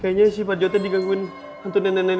kayanya si pak jok digangguin hantu nenek nenek itu